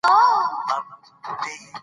افغانستان د یاقوت د ساتنې لپاره قوانین لري.